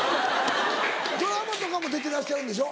ドラマとかも出てらっしゃるんでしょ？